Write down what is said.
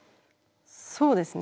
そうですね